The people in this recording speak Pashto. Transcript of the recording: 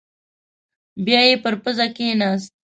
بيايې پر پزه کېناست.